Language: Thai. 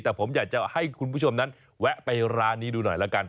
แต่ผมอยากจะให้คุณผู้ชมนั้นแวะไปร้านนี้ดูหน่อยละกัน